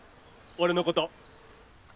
俺のこと。